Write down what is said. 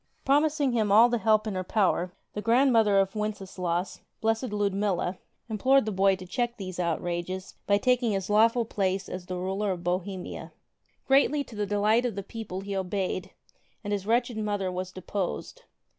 Promising him all the help in her power, the grandmother of Wenceslaus, Blessed Ludmilla, implored the boy to check these outrages by taking his lawful place as the ruler of Bohemia. Greatly to the delight of the people he obeyed, and his wretched mother was deposed.